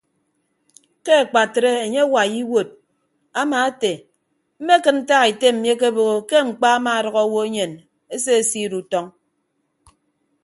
Ke akpatre enye awai iwuod ama ete mmekịd ntak ete mmi akebooho ke mkpa amaadʌk owo enyen esesiid utọñ.